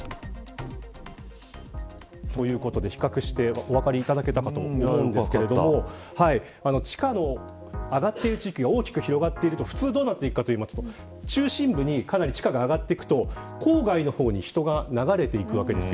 ということで、比較してお分かりいただけたかと思うんですけれども地価の上がっている地域が大きく広がっていくと普通どうなっていくかというと中心部の地価が上がっていくと郊外の方に人が流れていくわけです。